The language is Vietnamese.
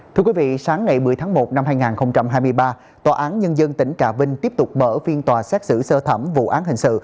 thưa quý vị sáng ngày một mươi tháng một năm hai nghìn hai mươi ba tòa án nhân dân tỉnh trà vinh tiếp tục mở phiên tòa xét xử sơ thẩm vụ án hình sự